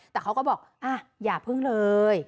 แต่เขาก็บอกอย่าพึ่งเลย